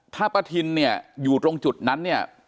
ถ้าประทินอยู่ตรงจุดนั้นเนี่ย